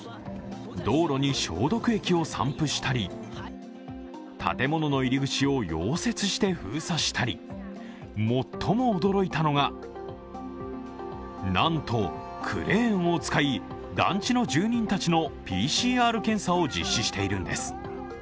道路に消毒液を散布したり、建物の入り口を溶接して封鎖したり、最も驚いたのが、なんとクレーンを使い団地の住人たちのＰＣＲ検査を実施しているんです。